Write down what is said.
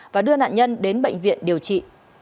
và đưa nạn nhân đến bệnh viện điều trị